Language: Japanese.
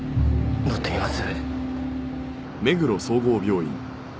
乗ってみます？